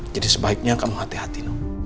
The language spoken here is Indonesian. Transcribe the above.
jadi sebaiknya kamu hati hati